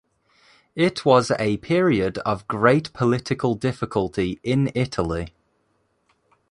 It was a period of great political difficulty in Italy.